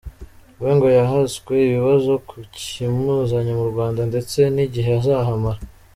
We ngo yahaswe ibibazo ku kimuzanye mu Rwanda ndetse n’igihe azahamara.